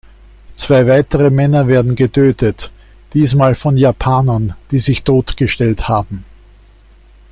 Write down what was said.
Zwei weitere Männer werden getötet, diesmal von Japanern, die sich tot gestellt haben.